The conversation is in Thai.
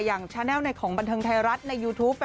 อย่างแชนแนลของบันเทิงไทยรัฐในยูทูป